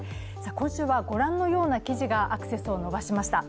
今週はご覧のような記事がアクセスを伸ばしました。